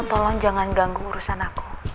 tolong jangan ganggu urusan aku